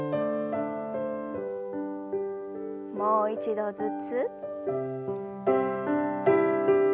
もう一度ずつ。